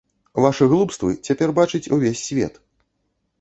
Вашы глупствы цяпер бачыць увесь свет.